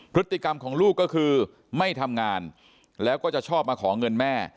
พฤติกรรมของลูกก็คือไม่ทำงานแล้วก็จะชอบมาขอเงินแม่